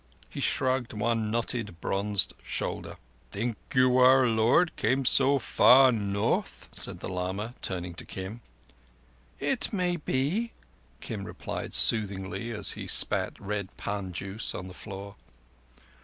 He shrugged one knotted, bronzed shoulder. "Think you our Lord came so far North?" said the lama, turning to Kim. "It may be," Kim replied soothingly, as he spat red pan juice on the floor.